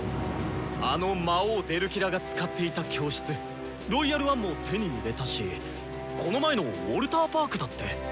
あの魔王デルキラが使っていた教室「ロイヤル・ワン」も手に入れたしこの前のウォルターパークだって！